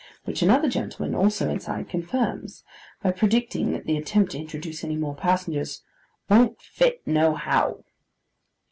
Which another gentleman (also inside) confirms, by predicting that the attempt to introduce any more passengers 'won't fit nohow.